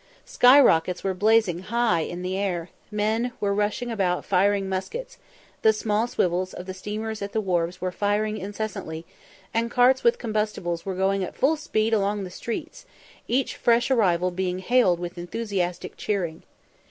Sky rockets were blazing high in air, men were rushing about firing muskets, the small swivels of the steamers at the wharfs were firing incessantly, and carts with combustibles were going at full speed along the streets, each fresh arrival being hailed with enthusiastic cheering.